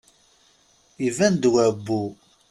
Iban-d wabu.